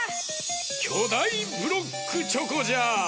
きょだいブロックチョコじゃ！